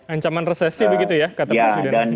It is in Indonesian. ancaman resesi begitu ya kata presiden